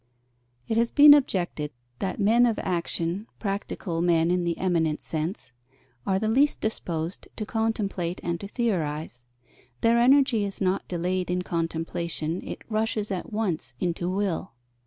_ It has been objected that men of action, practical men in the eminent sense, are the least disposed to contemplate and to theorize: their energy is not delayed in contemplation, it rushes at once into will.